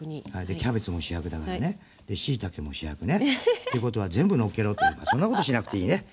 キャベツも主役だからね、しいたけも主役ね。ってことは、全部乗っけろって、そんなことしなくていいね。